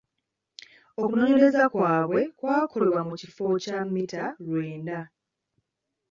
Okunoonyereza kwabwe kwakolebwa mu kifo kya mmita lwenda.